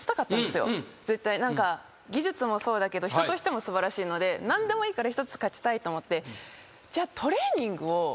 技術もそうだけど人としても素晴らしいので何でもいいから１つ勝ちたいと思って。